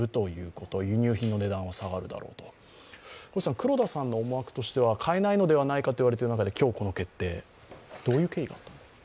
黒田さんの思惑としては、変えないのではないかといわれている中で今日この決定、どういう経緯があったんですか。